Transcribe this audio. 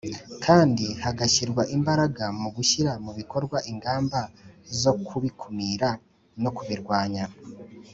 Kandi hagashyirwa imbaraga mu gushyira mu bikorwa ingamba zo kubikumira no kubirwanya